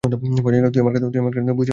তুই আমার কথা বুঝতে পারছিস না কেন?